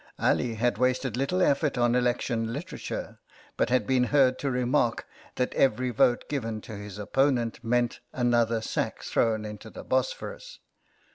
Ali had wasted little effort on election literature, but had been heard to remark that every vote given to his opponent meant another sack thrown into the Bos phorus.